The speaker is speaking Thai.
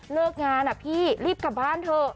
เลิกงานอะพี่รีบกลับบ้านเถอะ